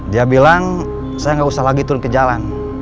dia bilang saya nggak usah lagi turun ke jalan